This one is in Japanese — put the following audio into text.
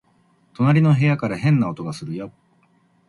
隣の部屋から変な音がするよ